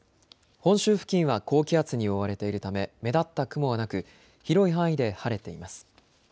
本州付近は高気圧に覆われているため目立った雲はなく広い範囲で晴れています。